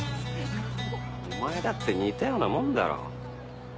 お前だって似たようなもんだろ。